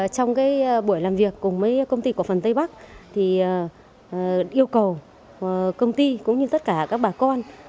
trong buổi làm việc cùng với công ty cổ phần tây bắc yêu cầu công ty cũng như tất cả các bà con